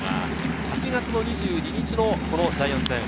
８月２２日、ジャイアンツ戦。